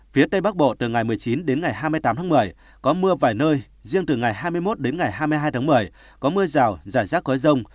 phía tây bắc bộ từ ngày một mươi chín đến ngày hai mươi tám tháng một mươi có mưa vài nơi riêng từ ngày hai mươi một đến ngày hai mươi hai tháng một mươi có mưa rào rải rác có rông